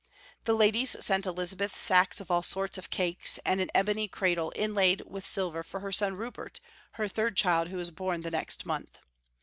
The ladies sent Elizabeth sacks of all sorts of cakes, and an ebony cradle inlaid with silver for her son Rupert, her third chUd, who was born the next month.